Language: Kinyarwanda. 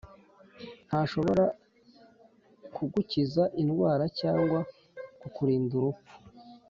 ntashobora kugukiza indwara cyangwa kukurinda urupfu